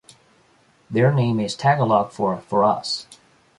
Their name is Tagalog for "for us".